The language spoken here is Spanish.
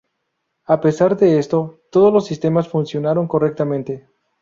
A pesar de esto, todos los sistemas funcionaron correctamente.